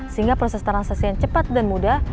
sehingga proses transaksi yang cepat dan mudah